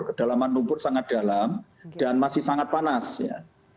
kedalaman lumpur sangat dalam dan masih sangat panas ya